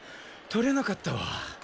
取れなかったわ。